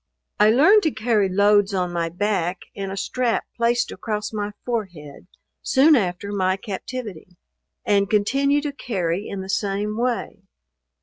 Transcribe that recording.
I learned to carry loads on my back, in a strap placed across my forehead, soon after my captivity; and continue to carry in the same way.